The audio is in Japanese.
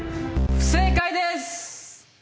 「不正解です！」